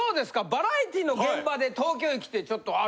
バラエティーの現場で東京へ来てちょっとあ